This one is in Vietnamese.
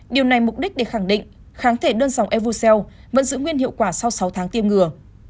điều này mục đích để khẳng định kháng thể đơn dòng evo cell vẫn giữ nguyên hiệu quả sau sáu tháng tiêm ngừa